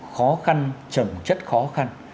khó khăn trầm chất khó khăn